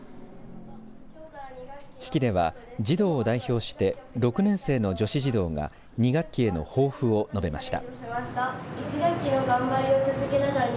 式では児童を代表して６年生の女子児童が２学期への抱負を述べました。